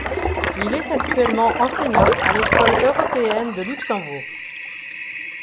Il est actuellement enseignant à l'école européenne de Luxembourg.